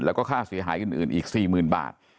แล้วก็ค่าเสียหายอื่นอีกสี่หมื่นบาท